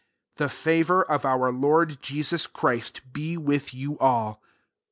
23 th» favour of X^our] Lord J^sus Christ be wi^h you all.